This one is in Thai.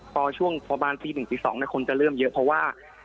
ตอนช่วงประมาณสี่หนึ่งสี่สองคนจะเริ่มเยอะเพราะว่า